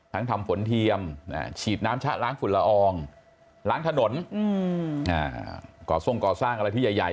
ทำฝนเทียมฉีดน้ำชะล้างฝุ่นละอองล้างถนนก่อทรงก่อสร้างอะไรที่ใหญ่